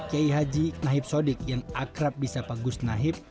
kiai haji nahib sodik yang akrab bisapa gus nahib